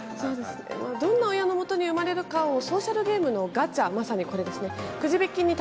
どんな親のもとに生まれるかを、ソーシャルゲームのガチャ、まさにこれですね、くじ引きに例